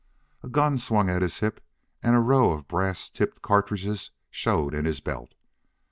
A gun swung at his hip and a row of brass tipped cartridges showed in his belt.